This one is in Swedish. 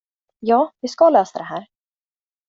Ja, vi ska lösa det här.